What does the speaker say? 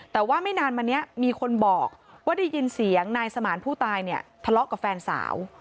แต่ว่าไม่นานมานี้มีคนบอกว่าได้ยินเสียงนายสมานผู้ตายเนี่ยทะเลาะกับแฟนสาว